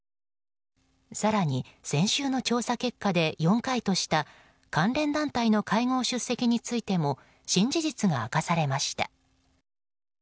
更に先週の調査結果で４回とした関連団体の会合出席についても新事実が明かされました。